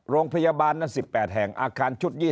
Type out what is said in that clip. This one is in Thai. โรงพยาบาลนั้น๑๘แห่งอาคารชุด๒๐